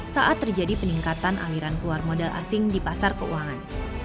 saat terjadi peningkatan aliran keluar modal asing di pasar keuangan